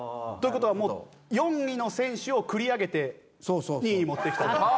という事はもう４位の選手を繰り上げて２位に持ってきたと。